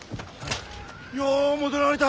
よう戻られた！